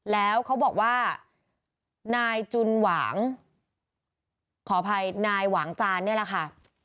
แล้วเขาบอกว่านายจุนหวางขออภัยนายหวางจานนี่แหละค่ะ